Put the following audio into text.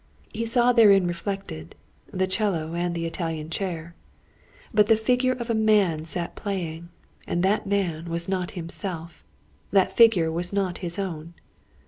He saw therein reflected, the 'cello and the Italian chair; but the figure of a man sat playing, and that man was not himself; that figure was not his own.